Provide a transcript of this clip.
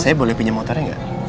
saya boleh punya motornya nggak